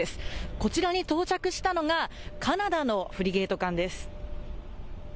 こちらに到着したのがカナダのフリゲート艦です。